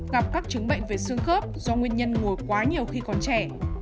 gặp các chứng bệnh về xương khớp do nguyên nhân ngồi quá nhiều khi còn trẻ